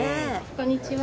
こんにちは